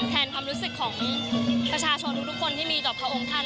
ความรู้สึกของประชาชนทุกคนที่มีต่อพระองค์ท่าน